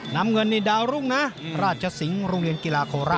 น้ำเงินนี่ดาวรุ่งนะราชสิงห์โรงเรียนกีฬาโคราช